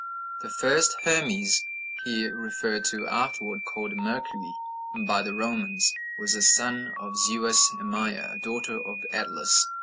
The "first Hermes," here referred to (afterward called Mercury by the Romans), was a son of Zeus and Maia, a daughter of Atlas.